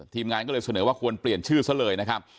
ทีมงานก็เลยเสนอว่าควรเปลี่ยนชื่อซะเลยนะครับ